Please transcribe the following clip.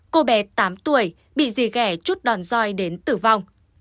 cô bé tám tuổi bị dì ghẻ chút đòn roi đến tử vong